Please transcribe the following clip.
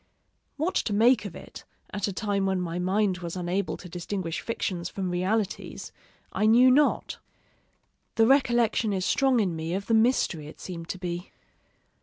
_ What to make of it, at a time when my mind was unable to distinguish fictions from realities, I knew not. The recollection is strong in me of the mystery it seemed to be.